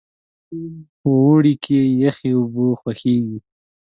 په اوړي کې یخې اوبه خوښیږي.